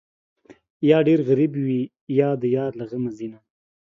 یا ډېر غریب وي، یا د یار له غمه ځینه